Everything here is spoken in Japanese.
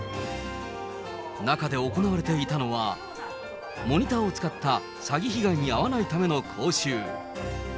中で行われていたのは、モニターを使った、詐欺被害に遭わないための講習。